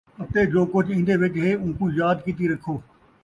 اَتے جو کُجھ ایندے وِچ ہے اُوکوں یاد کِیتی رَکھو،